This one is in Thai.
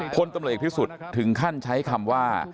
พลตำรวจเอกพิสุทธิ์ถึงขั้นใช้คำว่า